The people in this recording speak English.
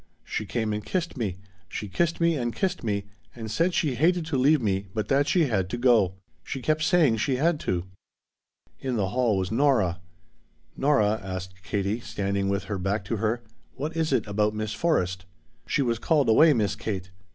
She came and kissed me she kissed me and kissed me and said she hated to leave me but that she had to go. She kept saying she had to." In the hall was Nora. "Nora," asked Katie, standing with her back to her, "what is it about Miss Forrest?" "She was called away, Miss Kate.